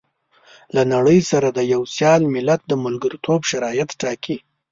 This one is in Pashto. له نړۍ سره د يوه سيال ملت د ملګرتوب شرايط ټاکي.